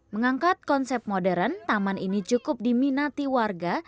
mengangkat konsep modern taman ini cukup diminati warga